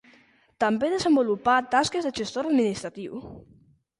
També desenvolupà tasques de gestor administratiu.